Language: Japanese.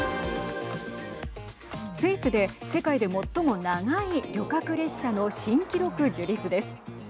スイスで世界で最も長い旅客列車の新記録、樹立です。